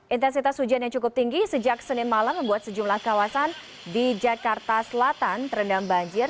intensitas hujan yang cukup tinggi sejak senin malam membuat sejumlah kawasan di jakarta selatan terendam banjir